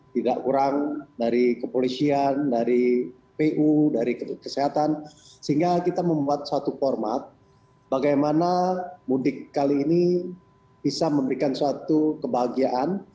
tidak kurang dari kepolisian dari pu dari kesehatan sehingga kita membuat suatu format bagaimana mudik kali ini bisa memberikan suatu kebahagiaan